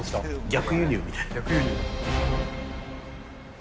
逆輸入みたいな。